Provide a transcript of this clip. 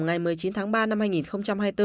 ngày một mươi chín tháng ba năm hai nghìn hai mươi bốn